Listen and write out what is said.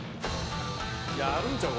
いやあるんちゃう